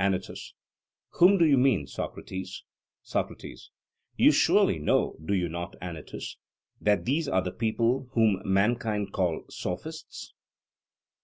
ANYTUS: Whom do you mean, Socrates? SOCRATES: You surely know, do you not, Anytus, that these are the people whom mankind call Sophists?